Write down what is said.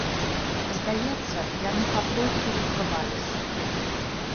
Здаецца, яны папросту раззлаваліся.